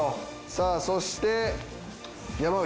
さあそして山内。